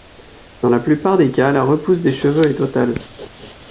Dans la plupart des cas, la repousse des cheveux est totale.